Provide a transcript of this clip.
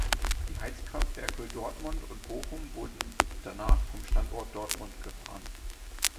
Die Heizkraftwerke Dortmund und Bochum wurden danach vom Standort Dortmund gefahren.